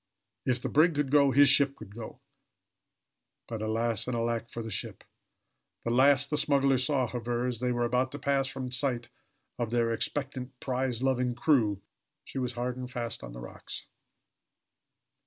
If the brig could go his ship could go. But alas and alack for the ship! The last the smugglers saw of her, as they were about to pass from the sight of their expectant, prize loving crew, she was hard and fast on the rocks.